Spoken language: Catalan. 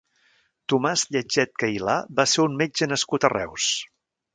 Tomàs Lletget Cailà va ser un metge nascut a Reus.